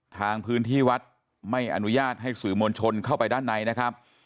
ทางพื้นที่วัดไม่อนุญาตให้สื่อมวลชนเข้าไปด้านในนะครับ